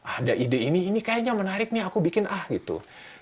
ada ide ini ini kayaknya menarik nih aku bikin ah gitu